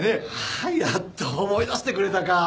あっやっと思い出してくれたか。